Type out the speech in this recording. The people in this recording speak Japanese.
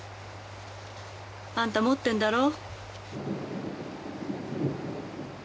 あんた持ってんだろ。